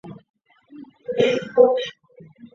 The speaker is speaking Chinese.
学制三年。